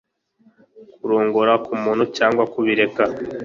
kurongora k'umuntu cyangwa kubireka